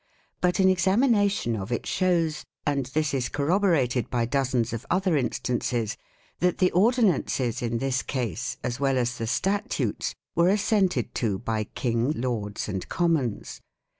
2 But an examination of it shows and this is corroborated by dozens of other instances that the ordinances in this case, as well as the statutes, were assented to by King, Lords, and Com mons.